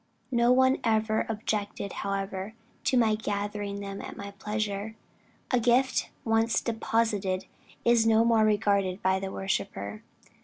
No one ever objected however to my gathering them at pleasure. A gift once deposited is no more regarded by the worshipper."